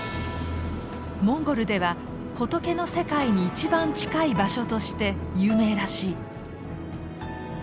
モンゴルでは「仏の世界に一番近い場所」として有名らしい。